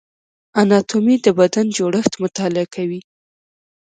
اناتومي د بدن جوړښت مطالعه کوي